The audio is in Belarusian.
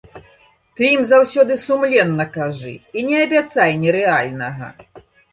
Ты ім заўсёды сумленна кажы і не абяцай нерэальнага.